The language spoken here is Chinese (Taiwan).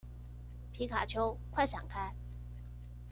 皮卡丘，快閃開